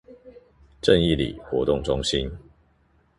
正義里活動中心